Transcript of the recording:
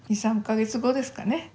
２３か月後ですかね。